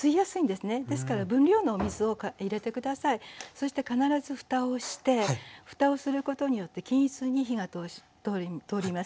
そして必ずふたをしてふたをすることによって均一に火が通ります。